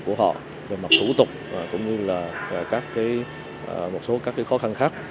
của họ về mặt thủ tục cũng như là các cái một số các cái khó khăn khác